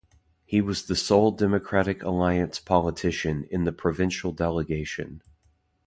He was the sole Democratic Alliance politician in the provincial delegation.